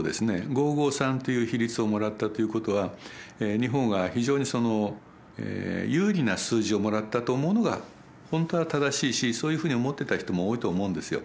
「５」「５」「３」という比率をもらったということは日本が非常にその有利な数字をもらったと思うのが本当は正しいしそういうふうに思ってた人も多いと思うんですよ。